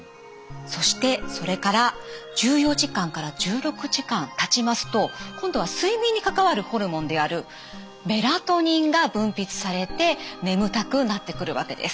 そしてそれから１４時間から１６時間たちますと今度は睡眠に関わるホルモンであるメラトニンが分泌されて眠たくなってくるわけです。